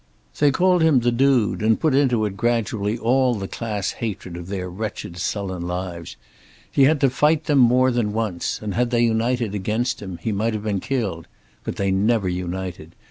They called him the "Dude," and put into it gradually all the class hatred of their wretched sullen lives. He had to fight them, more than once, and had they united against him he might have been killed. But they never united.